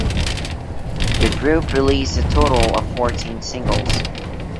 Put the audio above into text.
The group released a total of fourteen singles.